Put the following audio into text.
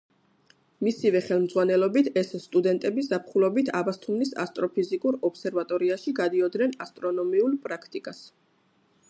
მისივე ხელმძღვანელობით ეს სტუდენტები ზაფხულობით აბასთუმნის ასტროფიზიკურ ობსერვატორიაში გადიოდნენ ასტრონომიულ პრაქტიკას.